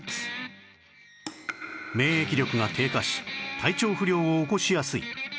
免疫力が低下し体調不良を起こしやすい